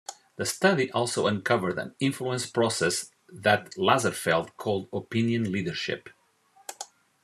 The study also uncovered an influence process that Lazarsfeld called opinion leadership.